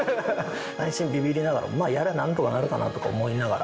内心ビビりながらまあやりゃあ何とかなるかなとか思いながら。